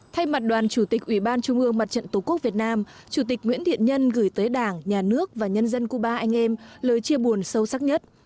thay mặt đoàn chủ tịch ủy ban trung ương mặt trận tổ quốc việt nam chủ tịch nguyễn thiện nhân gửi tới đảng nhà nước và nhân dân cuba anh em lời chia buồn sâu sắc nhất